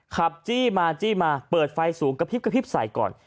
จี้มาจี้มาเปิดไฟสูงกระพริบกระพริบใส่ก่อน